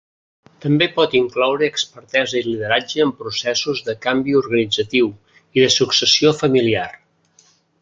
També pot incloure expertesa i lideratge en processos de canvi organitzatiu, i de successió familiar.